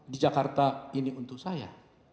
di jakarta ini untuk saya